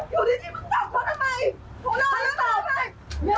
อยู่ดีเหมือนมันทำกันทำไม